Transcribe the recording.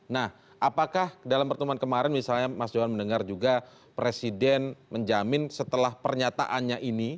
nah apakah dalam pertemuan kemarin misalnya mas johan mendengar juga presiden menjamin setelah pernyataannya ini